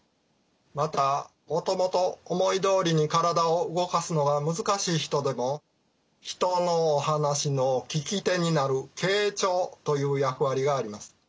またもともと思いどおりに体を動かすのが難しい人でも人のお話の聞き手になる傾聴という役割があります。